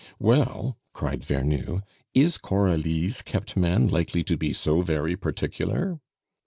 "Well," cried Vernou, "is Coralie's kept man likely to be so very particular?"